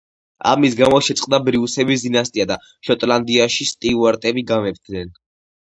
ამის გამო შეწყდა ბრიუსების დინასტია და შოტლანდიაში სტიუარტები გამეფდნენ.